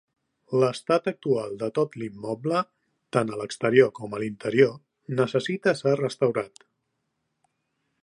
L'estat actual de tot l'immoble, tant a l'exterior com a l'interior, necessita ser restaurat.